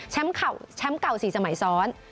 แชมป์เก่า๔สมัยซ้อน